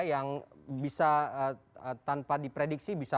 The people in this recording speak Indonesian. yang bisa tanpa diprediksi bisa